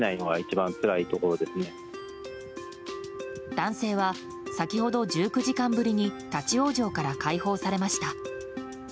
男性は先ほど１９時間ぶりに立ち往生から解放されました。